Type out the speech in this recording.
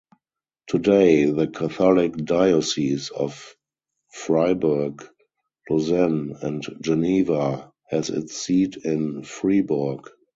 Today, the Catholic diocese of Fribourg, Lausanne, and Geneva has its seat in Fribourg.